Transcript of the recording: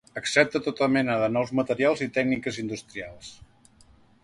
Accepta tota mena de nous materials i tècniques industrials.